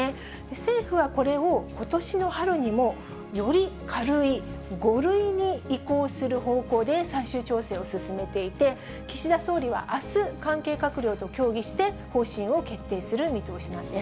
政府はこれを、ことしの春にも、より軽い５類に移行する方向で最終調整を進めていて、岸田総理はあす、関係閣僚と協議して、方針を決定する見通しなんです。